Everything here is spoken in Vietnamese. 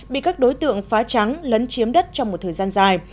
bị các đối tượng phá trắng lấn chiếm đất trong một thời gian dài